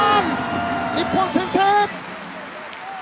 日本、先制！